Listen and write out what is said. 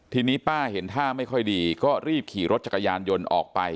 ทีนี้ป้าเห็นท่าไม่ค่อยดีก็รีบขี่รถจักรยานยนต์ออกไป